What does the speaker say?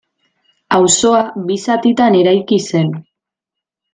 Auzoa bi zatitan eraiki zen.